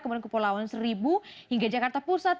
kemudian ke pulauan seribu hingga jakarta pusat